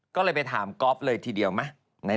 ก็เลยไปถามก๊อฟเลยทีเดียวไหม